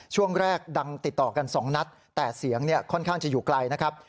ช่วงแรกดังติดต่อกันสองนัดแต่เสียงเนี่ยค่อนข้างจะอยู่ไกลนะครับ